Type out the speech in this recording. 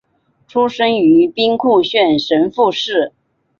出身于兵库县神户市。